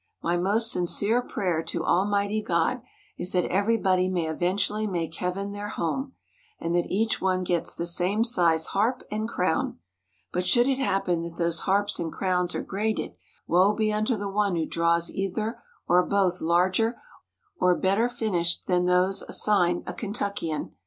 My most sincere prayer to Almighty God is that every body may eventually make Heaven their home, and that each one gets the same size harp and crown; but should it happen that those harps and crowns are graded, woe be unto the one who draws either or both larger or better finished than those as¬ signed a Kentuckian.